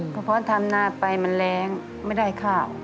เพราะทำหน้าไปมันแรงไม่ได้ข้าว